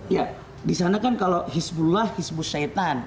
ya di sana kan kalau hezbollah hezboz saitan